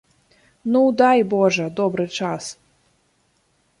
Ну, дай, божа, добры час.